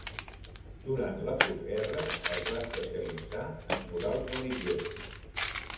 Durant la postguerra es va especialitzar en murals religiosos.